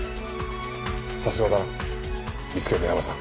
さすがだな見つけのヤマさん。